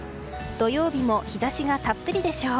土曜日も日差しがたっぷりでしょう。